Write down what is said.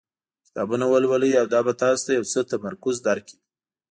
کتابونه ولولئ او دا به تاسو ته یو څه تمرکز درکړي.